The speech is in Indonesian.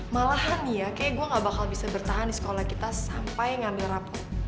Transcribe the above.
malahan nih ya kayak gue gak bakal bisa bertahan di sekolah kita sampai ngambil rapo